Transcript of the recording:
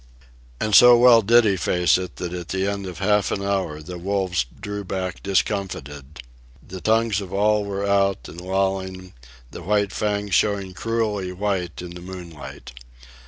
And so well did he face it, that at the end of half an hour the wolves drew back discomfited. The tongues of all were out and lolling, the white fangs showing cruelly white in the moonlight.